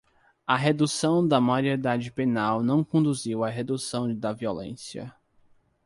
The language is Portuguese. A redução da maioridade penal não conduziu à redução da violência